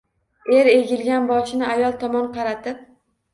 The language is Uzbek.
Er egilgan boshini ayoli tomon qaratib